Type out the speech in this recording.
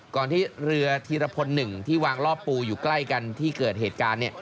ก่อนที่เรือธีรพล๑ที่วางลอบปูอยู่ใกล้กันที่เกิดเหตุการณ์เนี่ย